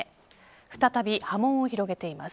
再び波紋を広げています。